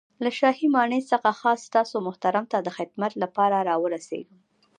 له شاهي ماڼۍ څخه خاص تاسو محترم ته د خدمت له پاره را ورسېږم.